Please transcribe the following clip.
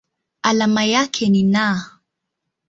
Alama yake ni Na.